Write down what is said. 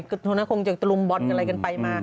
เมื่อนั้นคงจะตลุงบอดอะไรกันไปมา